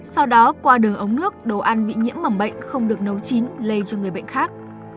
sau đó qua đường ống nước đồ ăn bị nhiễm mầm bệnh không được nấu chín lây cho người bệnh khác